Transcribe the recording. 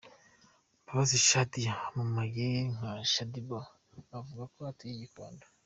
Mbabazi Shadiya wamamaye nka Shaddy Boo avuga ko atuye i Gikondo.